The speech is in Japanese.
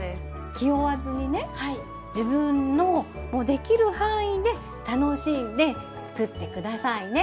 気負わずにね自分のできる範囲で楽しんで作って下さいね。